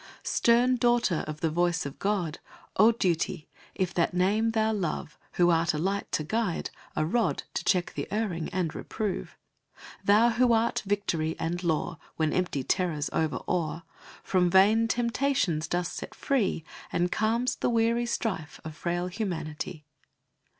Stern Daughter of the Voice of God! O Duty! if that name thou love Who art a light to guide, a rod To check the erring, and reprove; Thou who art victory and law When empty terrors overawe; From vain temptations dost set free, And calm'st the weary strife of frail humanity!